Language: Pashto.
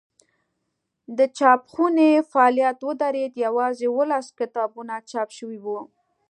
د چاپخونې فعالیت ودرېد یوازې اوولس کتابونه چاپ شوي وو.